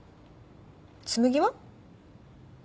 紬は？